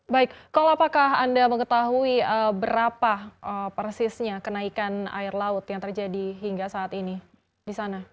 baik kalau apakah anda mengetahui berapa persisnya kenaikan air laut yang terjadi hingga saat ini di sana